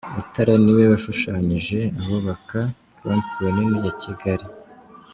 Rutare ni we washushanyije anubaka Rond-point nini ya Kigali.